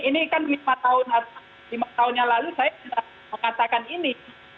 ini kan lima tahun yang lalu saya tidak mengatakan ini